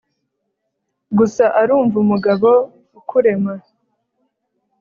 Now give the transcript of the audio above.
Gusa arumva umugabo ukurema